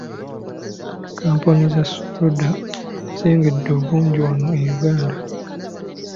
Kkampuni za soda zeeyongedde obungi wano e Uganda.